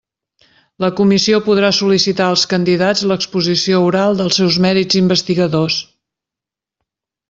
La Comissió podrà sol·licitar als candidats l'exposició oral dels seus mèrits investigadors.